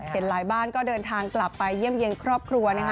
เห็นหลายบ้านก็เดินทางกลับไปเยี่ยมเยี่ยมครอบครัวนะคะ